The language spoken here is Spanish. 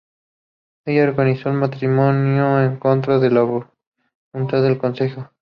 Ella organizó el matrimonio en contra de la voluntad del Consejo.